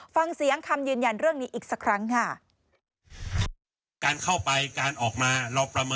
ฟังเสียงคำยืนยันเรื่องนี้อีกสักครั้งค่ะ